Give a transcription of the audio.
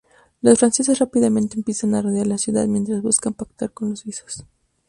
Los franceses rápidamente empiezan a rodear la ciudad, mientras buscan pactar con los suizos.